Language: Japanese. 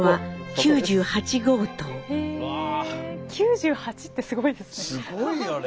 ９８ってすごいですね。